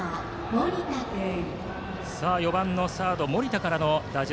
４番のサード、森田からの打順。